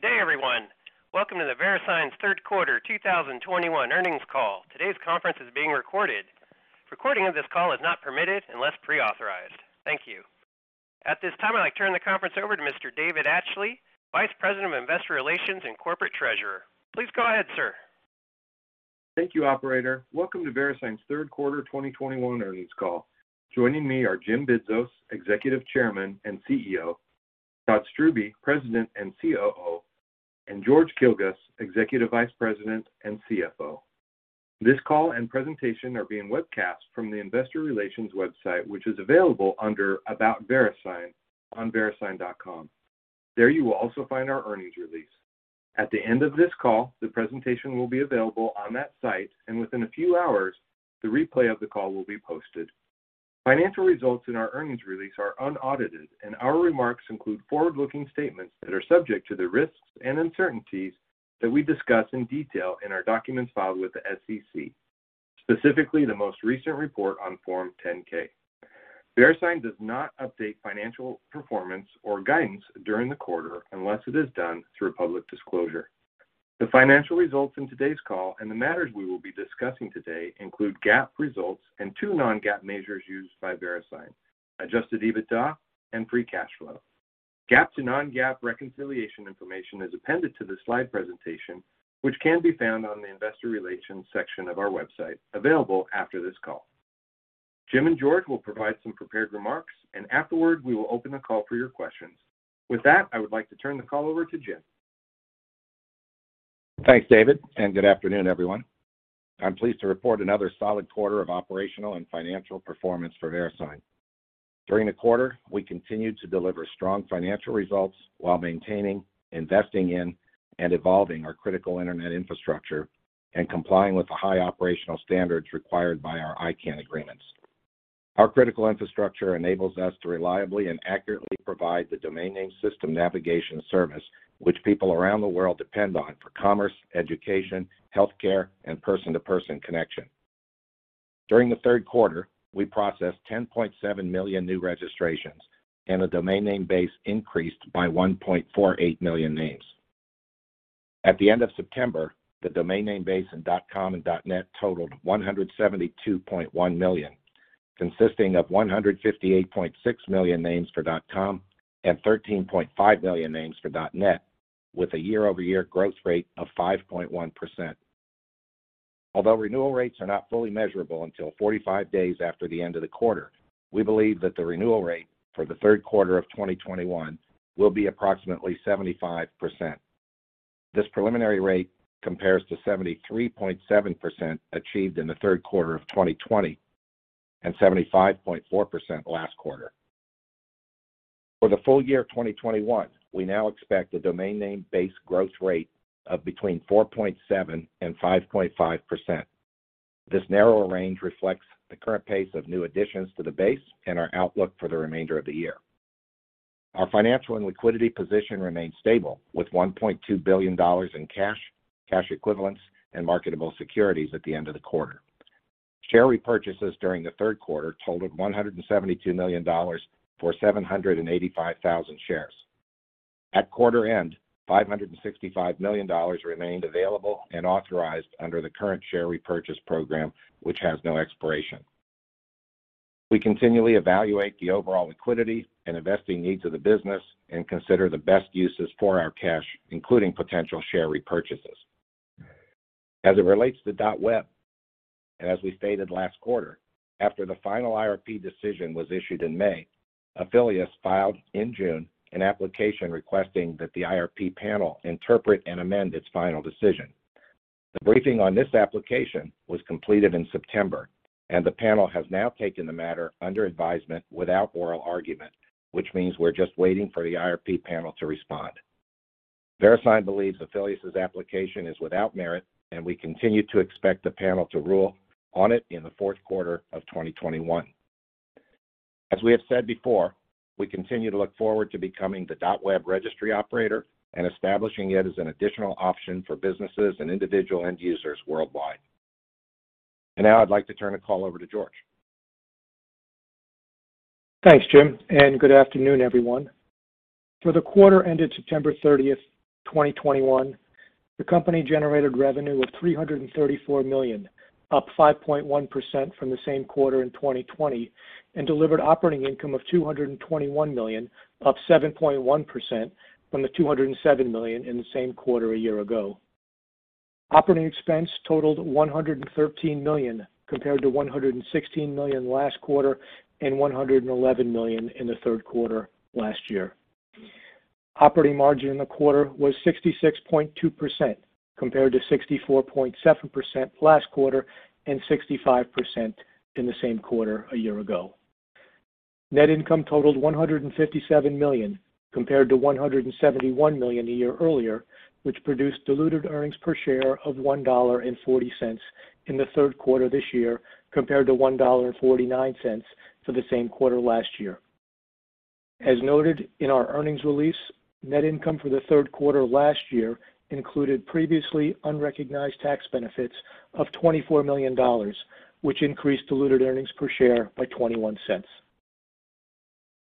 Good day, everyone. Welcome to VeriSign's Third Quarter 2021 Earnings Call. Today's conference is being recorded. Recording of this call is not permitted unless pre-authorized. Thank you. At this time, I'd like to turn the conference over to Mr. David Atchley, Vice President of Investor Relations and Corporate Treasurer. Please go ahead, sir. Thank you, operator. Welcome to VeriSign's Third Quarter 2021 Earnings Call. Joining me are Jim Bidzos, Executive Chairman and CEO, Todd Strubbe, President and COO, and George Kilguss, Executive Vice President and CFO. This call and presentation are being webcast from the Investor Relations website, which is available under About VeriSign on verisign.com. There you will also find our earnings release. At the end of this call, the presentation will be available on that site, and within a few hours, the replay of the call will be posted. Financial results in our earnings release are unaudited, and our remarks include forward-looking statements that are subject to the risks and uncertainties that we discuss in detail in our documents filed with the SEC, specifically the most recent report on Form 10-K. VeriSign does not update financial performance or guidance during the quarter unless it is done through public disclosure. The financial results in today's call and the matters we will be discussing today include GAAP results and two non-GAAP measures used by VeriSign, Adjusted EBITDA and free cash flow. GAAP to non-GAAP reconciliation information is appended to the slide presentation, which can be found on the investor relations section of our website available after this call. Jim and George will provide some prepared remarks, and afterward, we will open the call for your questions. With that, I would like to turn the call over to Jim. Thanks, David, and good afternoon, everyone. I'm pleased to report another solid quarter of operational and financial performance for VeriSign. During the quarter, we continued to deliver strong financial results while maintaining, investing in, and evolving our critical internet infrastructure and complying with the high operational standards required by our ICANN agreements. Our critical infrastructure enables us to reliably and accurately provide the domain name system navigation service, which people around the world depend on for commerce, education, healthcare, and person-to-person connection. During the third quarter, we processed 10.7 million new registrations and the domain name base increased by 1.48 million names. At the end of September, the domain name base in .com and .net totaled 172.1 million, consisting of 158.6 million names for .com and 13.5 million names for .net, with a year-over-year growth rate of 5.1%. Although renewal rates are not fully measurable until 45 days after the end of the quarter, we believe that the renewal rate for the third quarter of 2021 will be approximately 75%. This preliminary rate compares to 73.7% achieved in the third quarter of 2020 and 75.4% last quarter. For the full year 2021, we now expect the domain name base growth rate of between 4.7% and 5.5%. This narrower range reflects the current pace of new additions to the base and our outlook for the remainder of the year. Our financial and liquidity position remains stable, with $1.2 billion in cash equivalents, and marketable securities at the end of the quarter. Share repurchases during the third quarter totaled $172 million for 785,000 shares. At quarter end, $565 million remained available and authorized under the current share repurchase program, which has no expiration. We continually evaluate the overall liquidity and investing needs of the business and consider the best uses for our cash, including potential share repurchases. As it relates to .web, as we stated last quarter, after the final IRP decision was issued in May, Afilias filed in June an application requesting that the IRP panel interpret and amend its final decision. The briefing on this application was completed in September, and the panel has now taken the matter under advisement without oral argument, which means we're just waiting for the IRP panel to respond. VeriSign believes Afilias's application is without merit, and we continue to expect the panel to rule on it in the fourth quarter of 2021. As we have said before, we continue to look forward to becoming the .web registry operator and establishing it as an additional option for businesses and individual end users worldwide. Now I'd like to turn the call over to George. Thanks, Jim, and good afternoon, everyone. For the quarter ended September 30, 2021, the company generated revenue of $334 million, up 5.1% from the same quarter in 2020, and delivered operating income of $221 million, up 7.1% from the $207 million in the same quarter a year ago. Operating expense totalled $113 million compared to $116 million last quarter and $111 million in the third quarter last year. Operating margin in the quarter was 66.2%, compared to 64.7% last quarter and 65% in the same quarter a year ago. Net income totalled $157 million compared to $171 million a year earlier, which produced diluted Earnings Per Share of $1.40 in the third quarter this year compared to $1.49 for the same quarter last year. As noted in our earnings release, net income for the third quarter last year included previously unrecognized tax benefits of $24 million, which increased diluted Earnings Per Share by $0.21.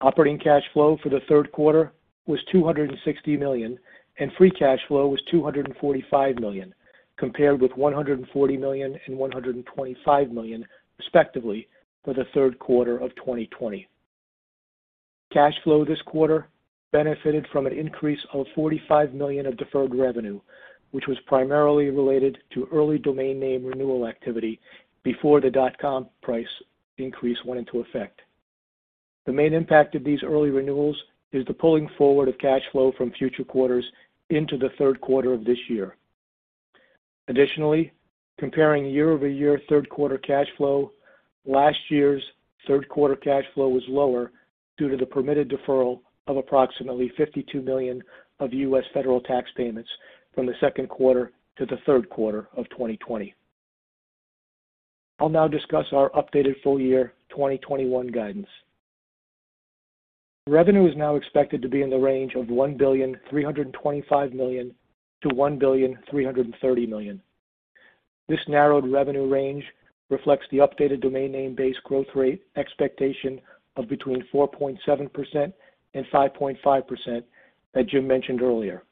Operating cash flow for the third quarter was $260 million, and free cash flow was $245 million, compared with $140 million and $125 million, respectively, for the third quarter of 2020. Cash flow this quarter benefited from an increase of $45 million of deferred revenue, which was primarily related to early domain name renewal activity before the .com price increase went into effect. The main impact of these early renewals is the pulling forward of cash flow from future quarters into the third quarter of this year. Additionally, comparing year-over-year third quarter cash flow, last year's third quarter cash flow was lower due to the permitted deferral of approximately $52 million of U.S. federal tax payments from the second quarter to the third quarter of 2020. I'll now discuss our updated full year 2021 guidance. Revenue is now expected to be in the range of $1.325 billion-$1.33 billion. This narrowed revenue range reflects the updated domain name base growth rate expectation of between 4.7% and 5.5% that Jim mentioned earlier.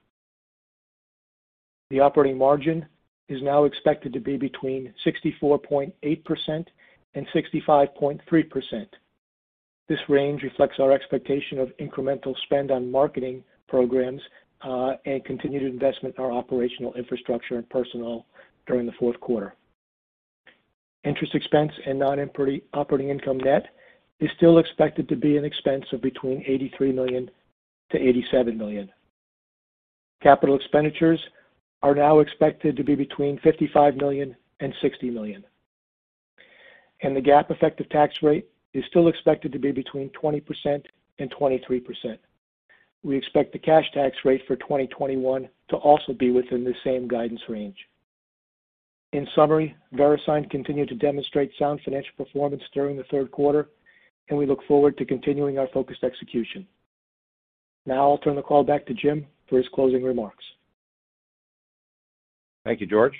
The operating margin is now expected to be between 64.8% and 65.3%. This range reflects our expectation of incremental spend on marketing programs and continued investment in our operational infrastructure and personnel during the fourth quarter. Interest expense and non-operating income net is still expected to be an expense of between $83 million and $87 million. Capital expenditures are now expected to be between $55 million and $60 million. The GAAP effective tax rate is still expected to be between 20% and 23%. We expect the cash tax rate for 2021 to also be within the same guidance range. In summary, VeriSign continued to demonstrate sound financial performance during the third quarter, and we look forward to continuing our focused execution. Now I'll turn the call back to Jim for his closing remarks. Thank you, George.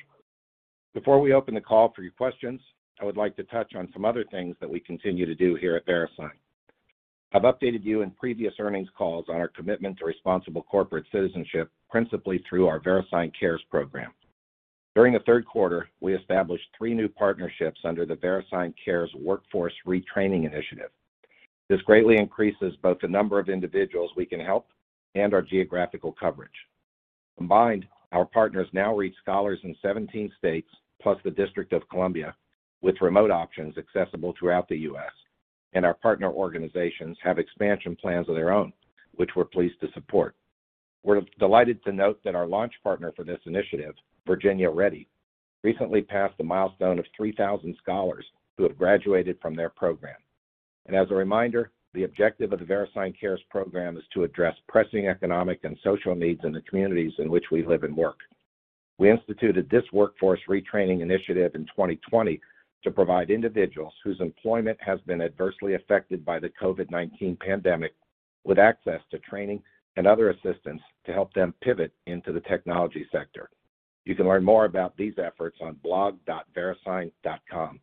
Before we open the call for your questions, I would like to touch on some other things that we continue to do here at VeriSign. I've updated you in previous earnings calls on our commitment to responsible corporate citizenship, principally through our VeriSign Cares program. During the third quarter, we established three new partnerships under the VeriSign Cares Workforce Retraining Initiative. This greatly increases both the number of individuals we can help and our geographical coverage. Combined, our partners now reach scholars in 17 states, plus the District of Columbia, with remote options accessible throughout the U.S. Our partner organizations have expansion plans of their own, which we're pleased to support. We're delighted to note that our launch partner for this initiative, Virginia Ready, recently passed the milestone of 3,000 scholars who have graduated from their program. As a reminder, the objective of the VeriSign Cares program is to address pressing economic and social needs in the communities in which we live and work. We instituted this workforce retraining initiative in 2020 to provide individuals whose employment has been adversely affected by the COVID-19 pandemic with access to training and other assistance to help them pivot into the technology sector. You can learn more about these efforts on blog.verisign.com.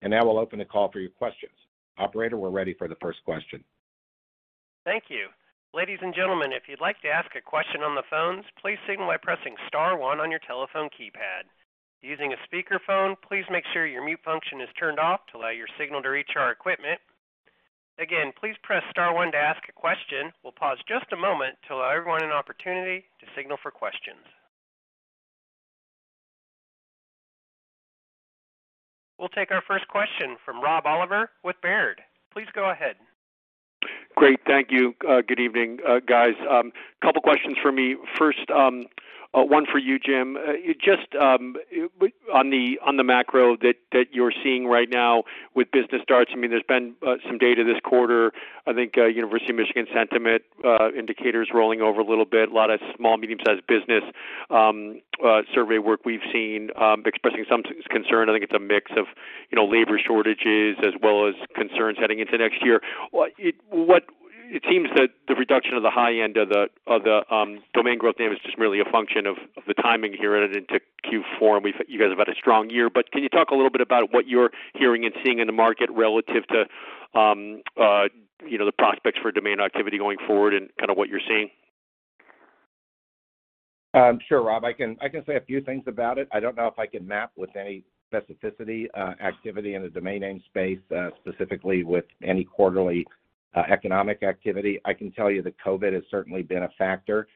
Now we'll open the call for your questions. Operator, we're ready for the first question. Thank you. Ladies and gentlemen, if you'd like to ask a question on the phones, please signal by pressing star one on your telephone keypad. If using a speakerphone, please make sure your mute function is turned off to allow your signal to reach our equipment. Again, please press star one to ask a question. We'll pause just a moment to allow everyone an opportunity to signal for questions. We'll take our first question from Rob Oliver with Robert W. Baird & Co. Please go ahead. Great. Thank you. Good evening, guys. Couple questions for me. First, one for you, Jim. You just on the macro that you're seeing right now with business starts. I mean, there's been some data this quarter. I think University of Michigan sentiment indicators rolling over a little bit. A lot of small, medium-sized business survey work we've seen expressing some concern. I think it's a mix of, you know, labor shortages as well as concerns heading into next year. It seems that the reduction of the high end of the domain growth range is just really a function of the timing here and into Q4. You guys have had a strong year, but can you talk a little bit about what you're hearing and seeing in the market relative to, you know, the prospects for domain activity going forward and kind of what you're seeing? Sure, Rob. I can say a few things about it. I don't know if I can map with any specificity activity in the domain name space specifically with any quarterly economic activity. I can tell you that COVID has certainly been a factor.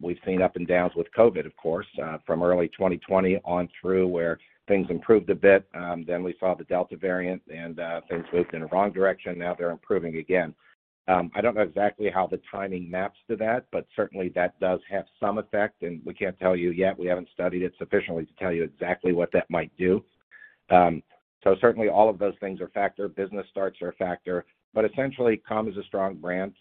We've seen up and downs with COVID, of course, from early 2020 on through where things improved a bit. Then we saw the Delta variant, and things moved in the wrong direction. Now they're improving again. I don't know exactly how the timing maps to that, but certainly, that does have some effect. We can't tell you yet. We haven't studied it sufficiently to tell you exactly what that might do. Certainly all of those things are a factor. Business starts are a factor. Essentially, .com is a strong brand.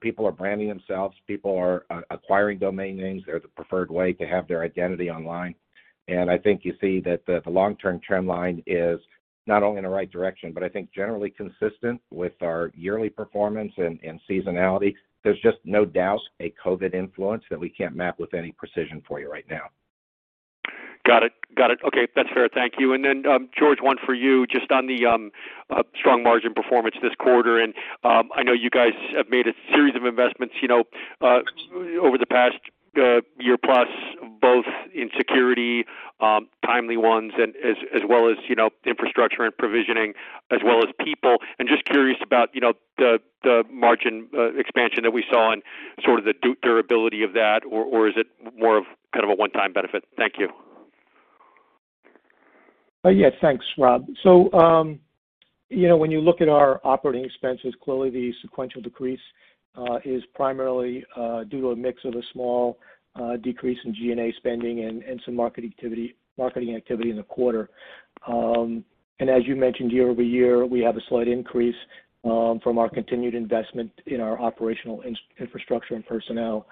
People are branding themselves. People are acquiring domain names. They're the preferred way to have their identity online. I think you see that the long-term trend line is not only in the right direction, but I think generally consistent with our yearly performance and seasonality. There's just no doubt a COVID influence that we can't map with any precision for you right now. Got it. Okay, that's fair. Thank you. Then, George, one for you, just on the strong margin performance this quarter, and I know you guys have made a series of investments, you know, over the past year-plus, both in security, timely ones and as well as, you know, infrastructure and provisioning as well as people. Just curious about, you know, the margin expansion that we saw and sort of the durability of that, or is it more of kind of a one-time benefit? Thank you. Yes, thanks, Rob. You know, when you look at our operating expenses, clearly the sequential decrease is primarily due to a mix of a small decrease in G&A spending and some marketing activity in the quarter. As you mentioned, year-over-year, we have a slight increase from our continued investment in our operational infrastructure and personnel.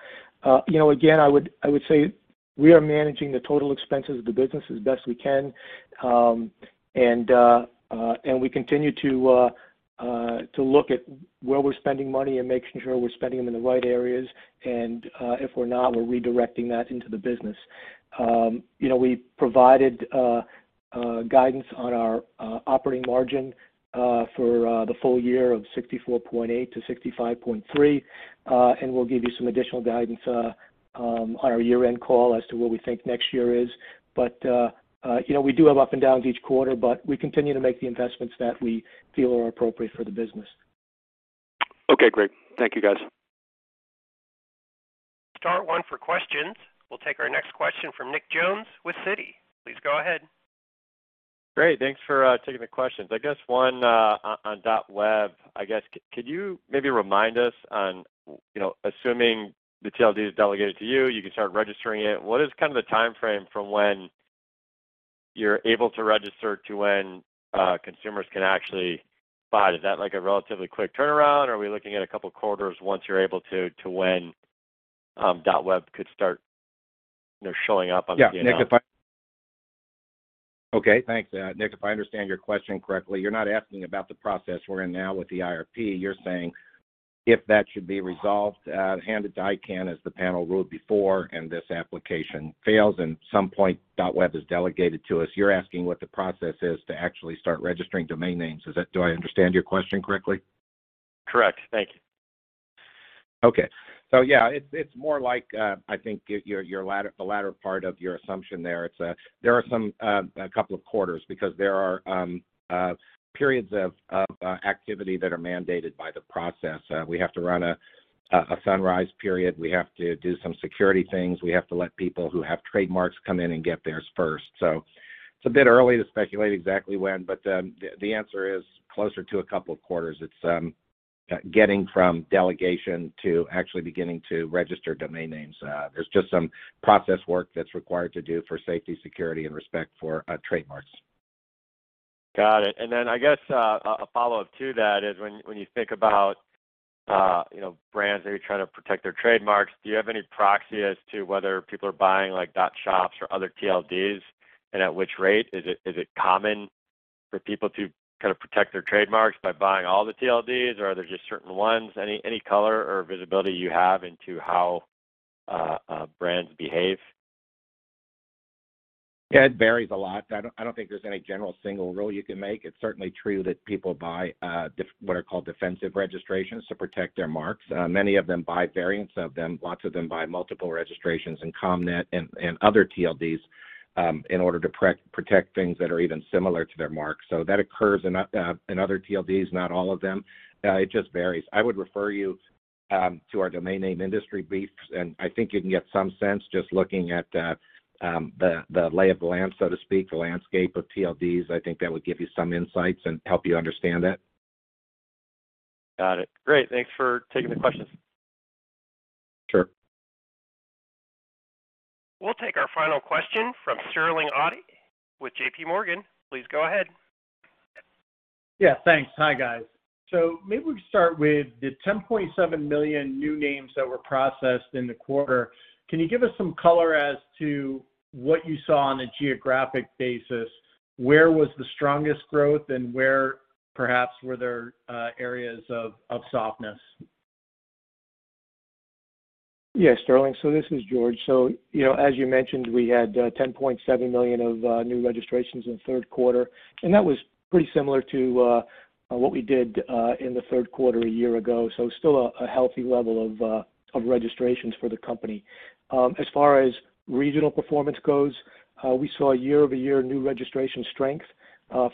You know, again, I would say we are managing the total expenses of the business as best we can. We continue to look at where we're spending money and making sure we're spending them in the right areas. If we're not, we're redirecting that into the business. You know, we provided guidance on our operating margin for the full year of 64.8%-65.3%. We'll give you some additional guidance on our year-end call as to where we think next year is. You know, we do have ups and downs each quarter, but we continue to make the investments that we feel are appropriate for the business. Okay, great. Thank you, guys. Press star one for questions. We'll take our next question from Nick Jones with Citi. Please go ahead. Great. Thanks for taking the questions. I guess one on dot web. I guess could you maybe remind us on, you know, assuming the TLD is delegated to you can start registering it. What is kind of the timeframe from when you're able to register to when consumers can actually buy? Is that like a relatively quick turnaround, or are we looking at a couple of quarters once you're able to, when dot web could start, you know, showing up on the Nick, if I understand your question correctly, you're not asking about the process we're in now with the IRP. You're saying if that should be resolved, handed to ICANN as the panel ruled before, and this application fails and at some point .web is delegated to us, you're asking what the process is to actually start registering domain names. Do I understand your question correctly? Correct. Thank you. Okay. Yeah, it's more like, I think your latter part of your assumption there. It's there are some a couple of quarters because there are periods of activity that are mandated by the process. We have to run a sunrise period. We have to do some security things. We have to let people who have trademarks come in and get theirs first. It's a bit early to speculate exactly when, but the answer is closer to a couple of quarters. It's getting from delegation to actually beginning to register domain names. There's just some process work that's required to do for safety, security, and respect for trademarks. Got it. I guess a follow-up to that is when you think about you know brands maybe trying to protect their trademarks, do you have any proxy as to whether people are buying like .shop or other TLDs, and at which rate? Is it common for people to kind of protect their trademarks by buying all the TLDs, or are there just certain ones? Any color or visibility you have into how brands behave? Yeah, it varies a lot. I don't think there's any general single rule you can make. It's certainly true that people buy defensive registrations to protect their marks. Many of them buy variants of them. Lots of them buy multiple registrations in .com and .net and other TLDs in order to pre-protect things that are even similar to their marks. So that occurs in other TLDs, not all of them. It just varies. I would refer you to our domain name industry briefs, and I think you can get some sense just looking at the lay of the land, so to speak, the landscape of TLDs. I think that would give you some insights and help you understand that. Got it. Great. Thanks for taking the questions. Sure. We'll take our final question from Sterling Auty with J.P. Morgan. Please go ahead. Yeah, thanks. Hi, guys. Maybe we can start with the 10.7 million new names that were processed in the quarter. Can you give us some color as to what you saw on a geographic basis? Where was the strongest growth and where perhaps were there areas of softness? Yes, Sterling. This is George. You know, as you mentioned, we had 10.7 million of new registrations in the third quarter, and that was pretty similar to what we did in the third quarter a year ago. Still a healthy level of registrations for the company. As far as regional performance goes, we saw year-over-year new registration strength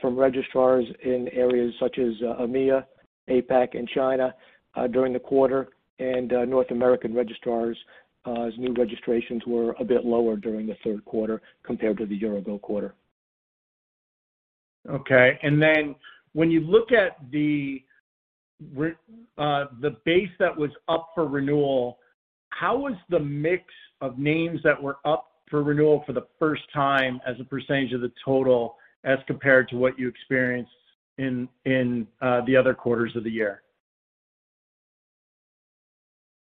from registrars in areas such as EMEA, APAC, and China during the quarter, and North American registrars as new registrations were a bit lower during the third quarter compared to the year-ago quarter. When you look at the base that was up for renewal, how was the mix of names that were up for renewal for the first time as a percentage of the total as compared to what you experienced in the other quarters of the year?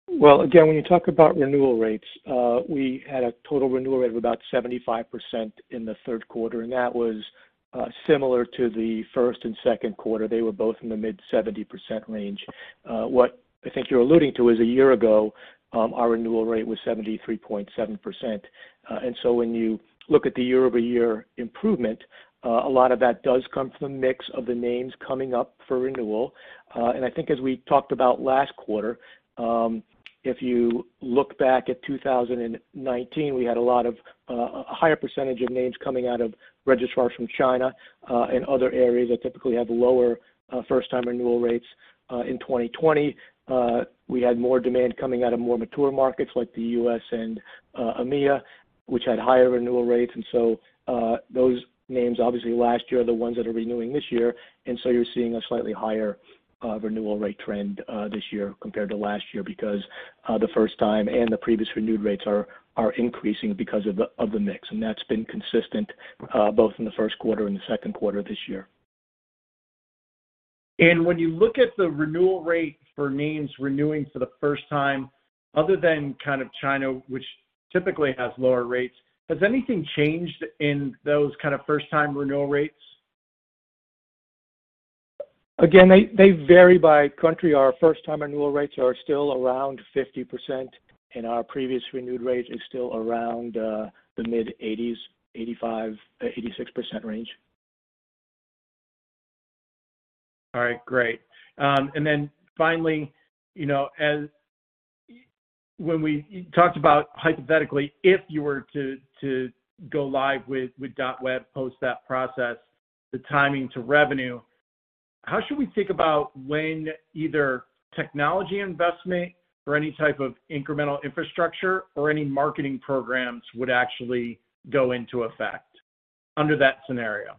Well, again, when you talk about renewal rates, we had a total renewal rate of about 75% in the third quarter, and that was. Similar to the first and second quarter, they were both in the mid-70% range. What I think you're alluding to is a year ago, our renewal rate was 73.7%. When you look at the year-over-year improvement, a lot of that does come from the mix of the names coming up for renewal. I think as we talked about last quarter, if you look back at 2019, we had a lot of a higher percentage of names coming out of registrars from China and other areas that typically have lower first-time renewal rates. In 2020, we had more demand coming out of more mature markets like the U.S. and EMEA, which had higher renewal rates. Those names obviously last year are the ones that are renewing this year, and so you're seeing a slightly higher renewal rate trend this year compared to last year because the first time and the previous renewed rates are increasing because of the mix. That's been consistent both in the first quarter and the second quarter this year. When you look at the renewal rate for names renewing for the first time, other than kind of China, which typically has lower rates, has anything changed in those kinds of first-time renewal rates? Again, they vary by country. Our first-time renewal rates are still around 50%, and our previous renewed rate is still around the mid-80s, 85%-86% range. All right, great. And then finally, you know, when we talked about hypothetically, if you were to go live with .web post that process, the timing to revenue, how should we think about when either technology investment or any type of incremental infrastructure or any marketing programs would actually go into effect under that scenario?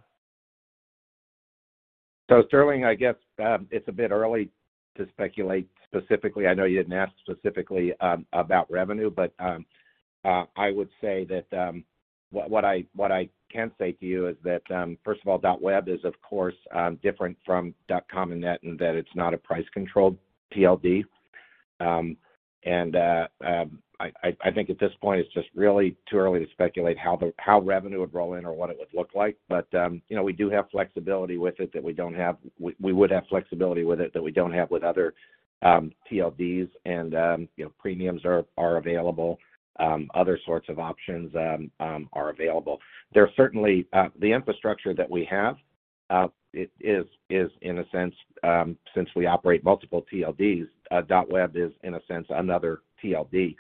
Sterling, I guess it's a bit early to speculate specifically. I know you didn't ask specifically about revenue, but I would say that what I can say to you is that first of all, .web is of course different from .com and .net in that it's not a price-controlled TLD. I think at this point, it's just really too early to speculate how revenue would roll in or what it would look like. You know, we would have flexibility with it that we don't have with other TLDs and you know, premiums are available, other sorts of options are available. There are certainly the infrastructure that we have is in a sense since we operate multiple TLDs .web is in a sense another TLD.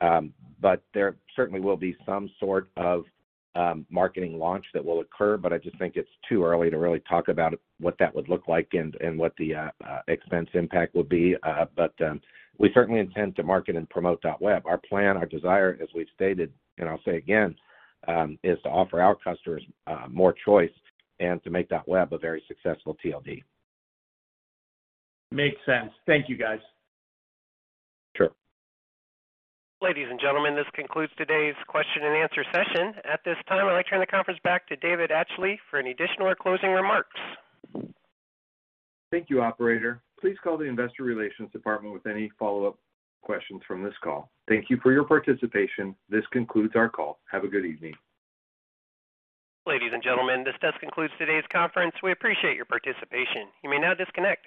There certainly will be some sort of marketing launch that will occur, but I just think it's too early to really talk about what that would look like and what the expense impact would be. We certainly intend to market and promote .web. Our plan, our desire, as we've stated, and I'll say again, is to offer our customers more choice and to make .web a very successful TLD. Makes sense. Thank you, guys. Sure. Ladies and gentlemen, this concludes today's question-and-answer session. At this time, I'd like to turn the conference back to David Atchley for any additional or closing remarks. Thank you, operator. Please call the Investor Relations department with any follow-up questions from this call. Thank you for your participation. This concludes our call. Have a good evening. Ladies and gentlemen, this does conclude today's conference. We appreciate your participation. You may now disconnect.